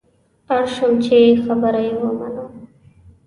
اړ شوم چې خبره یې ومنم.